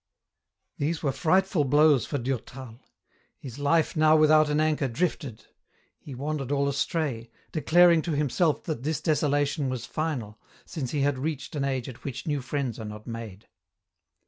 These were frightful blows for Durtal. His life, now without an anchor, drifted ; he wandered all astray, declaring to himself that this desolation was final, since he had reached an age at which new friends are not made.